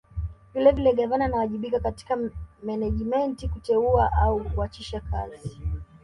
Vilevile Gavana anawajibika katika Menejimenti kuteua au kuachisha kazi